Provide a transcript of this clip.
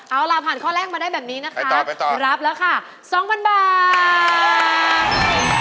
เอาล่ะผ่านข้อแรกมาได้แบบนี้นะคะรับราคา๒๐๐๐บาทแม่ง